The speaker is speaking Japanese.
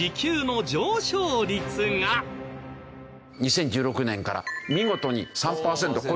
２０１６年から見事に３パーセント超えてるでしょ。